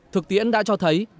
thực tiễn đã cho thấy